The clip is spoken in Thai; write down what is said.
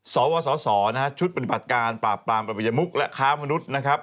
สวสสนะฮะชุดปฏิบัติการปราบปรามประยมุกและค้ามนุษย์นะครับ